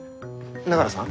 永浦さん。